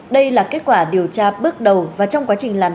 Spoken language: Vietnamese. đây là kết quả điều tra bước đầu và trong quá trình làm